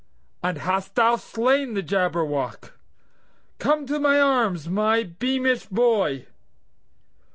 "And hast thou slain the Jabberwock? Come to my arms, my beamish boy!